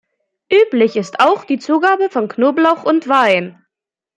Üblich ist auch die Zugabe von Knoblauch und Wein.